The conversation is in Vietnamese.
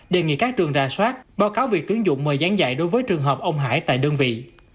đề nghị các trường ra soát báo cáo việc tướng dụng mời gián dạy đối với trường hợp ông hải tại đơn vị